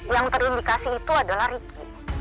yang terindikasi itu adalah ricky